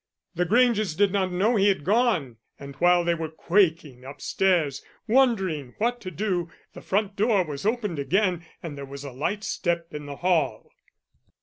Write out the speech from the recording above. "The Granges did not know he had gone, and while they were quaking upstairs, wondering what to do, the front door was opened again and there was a light step in the hall.